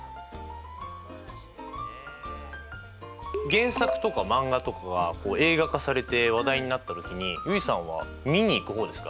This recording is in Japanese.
原作とか漫画とかが映画化されて話題になった時に結衣さんはみに行く方ですか？